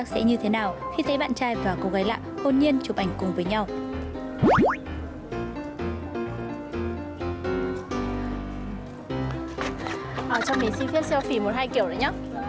có vẻ như bạn gái của nam thanh niên này cũng đang thực sự bối rối trước tình huống